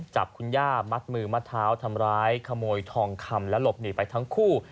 จับคุณย่ามัดมือมัดเท้าทำร้ายขโมยทองคำและหลบหนีไปทั้งคู่